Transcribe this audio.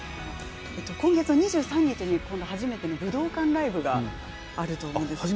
今月２３日に初めての武道館ライブがあるということなんですけれども。